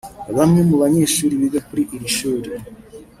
Bamwe mu banyeshuri biga kuri iri shuri